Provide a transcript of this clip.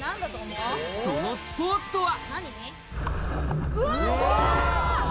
そのスポーツとは？